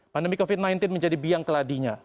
pandemi covid sembilan belas menjadi biang keladinya